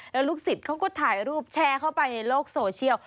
แล้วลูกศิษย์เขาก็ถ่ายรูปแชร์เข้าไปในโลกโซเชียล